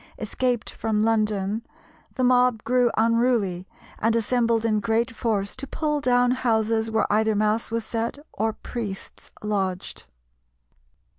escaped from London the mob grew unruly, and assembled in great force to pull down houses where either mass was said or priests lodged.